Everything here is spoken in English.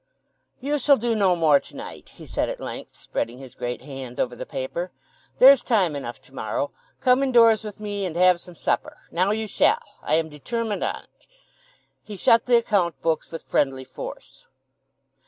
"You shall do no more to night," he said at length, spreading his great hand over the paper. "There's time enough to morrow. Come indoors with me and have some supper. Now you shall! I am determined on't." He shut the account books with friendly force.